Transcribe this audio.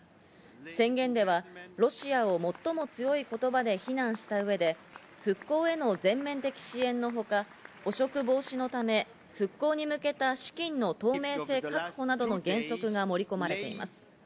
宣言ではロシアを最も強い言葉で非難した上で、復興への全面的支援のほか、汚職防止のため、復興に向けた資金の透明性確保などの原則が盛り込まれています。